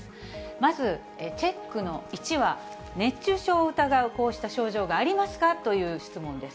まずチェックの１は、熱中症を疑うこうした症状がありますかという質問です。